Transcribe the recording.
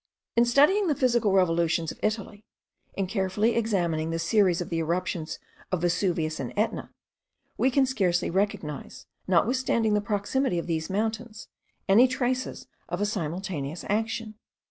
In studying the physical revolutions of Italy, in carefully examining the series of the eruptions of Vesuvius and Etna, we can scarcely recognise, notwithstanding the proximity of these mountains, any traces of a simultaneous action.